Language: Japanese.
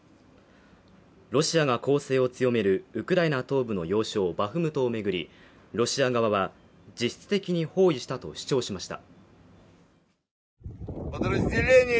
ロシアが攻勢を強めるウクライナ東部の要衝バフムトを巡り、ロシア側は実質的に包囲したと主張しました。